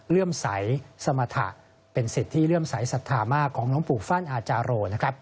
เรื่องใสสมรรถะเป็นสิทธิเรื่องใสศรัทธามาร์ของปุฟันอาจารน์